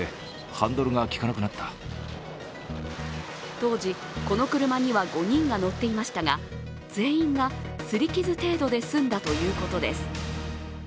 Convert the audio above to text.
当時、この車には５人が乗っていましたが全員がすり傷程度で済んだということです。